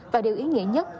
và điều ý nghĩa nhất